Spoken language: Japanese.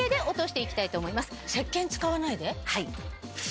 はい。